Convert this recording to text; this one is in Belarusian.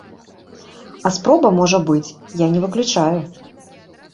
А спроба можа быць, я не выключаю.